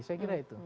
saya kira itu